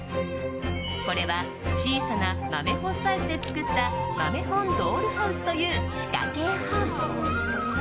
これは小さな豆本サイズで作った豆本ドールハウスという仕掛け絵本。